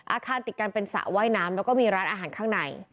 อาคารติดกันเป็นสระว่ายน้ำแล้วก็มีร้านอาหารข้างใน